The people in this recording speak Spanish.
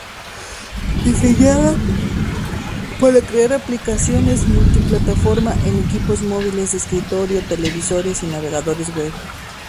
Diseñada para crear aplicaciones multiplataforma en equipos móviles, de escritorio, televisores y navegadores web.